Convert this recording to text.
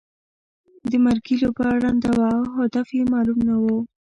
د مرګي لوبه ړنده وه او هدف یې معلوم نه وو.